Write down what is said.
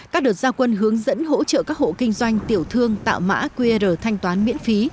các đợt gia quân hướng dẫn hỗ trợ các hộ kinh doanh tiểu thương tạo mã qr thanh toán miễn phí